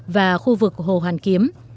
và khu vực hồ hoàn kiếm